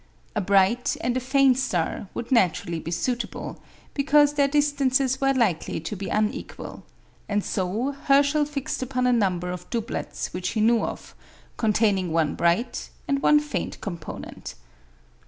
A bright and a faint star would naturally be suitable, because their distances were likely to be unequal; and so Herschel fixed upon a number of doublets which he knew of, containing one bright and one faint component.